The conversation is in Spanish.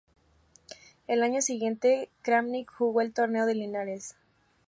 El año siguiente, Krámnik jugó el torneo de Linares.